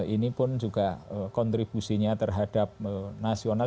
ini pun juga kontribusinya terhadap nasional